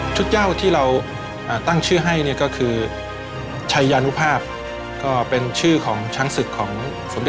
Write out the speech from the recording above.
ชุดย่าวที่เราตั้งชื่อให้เนี่ยก็คือชัยานุภาพก็เป็นชื่อของเรานะครับ